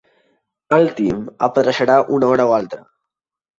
El Tim apareixerà una hora o altra.